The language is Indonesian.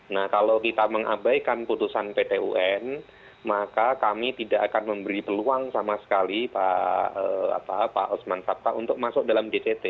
nah kalau kita mengabaikan putusan pt un maka kami tidak akan memberi peluang sama sekali pak osman sabta untuk masuk dalam dct